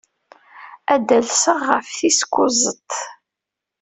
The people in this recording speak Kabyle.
Ad d-alseɣ ɣef tis kuẓet.